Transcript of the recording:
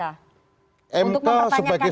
untuk mempertanyakan ini